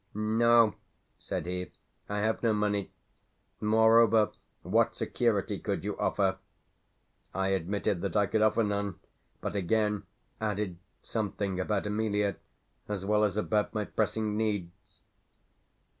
"No." said he, "I have no money. Moreover, what security could you offer?" I admitted that I could offer none, but again added something about Emelia, as well as about my pressing needs.